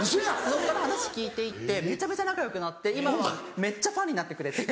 そっから話聞いて行ってめちゃめちゃ仲よくなって今はめっちゃファンになってくれて。